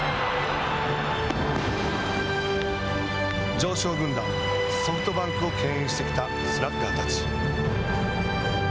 常勝軍団、ソフトバンクをけん引してきたスラッガーたち。